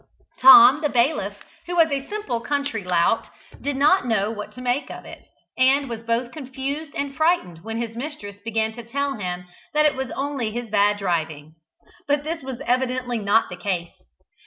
Tom the Bailiff who was a simple country lout, did not know what to make of it, and was both confused and frightened when his mistress began to tell him that it was only his bad driving. But this was evidently not the case.